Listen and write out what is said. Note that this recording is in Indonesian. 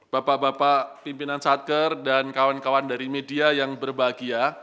bapak bapak pimpinan satker dan kawan kawan dari media yang berbahagia